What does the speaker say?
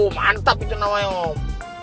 mantap itu namanya om